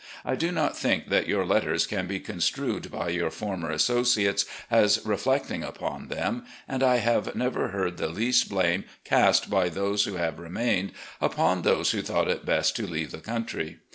I do not think that your letters can be construed by your former asso ciates as reflecting upon them, and I have never heard the least blame cast by those who have remained upon those who thought it best to leave the country.